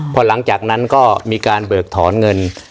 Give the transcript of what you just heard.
พอหลังจากนั้นก็มีการเบิกถอนเงิน